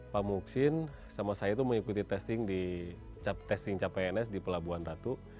pak muksin sama saya mengikuti testing cap pns di pelabuhan ratu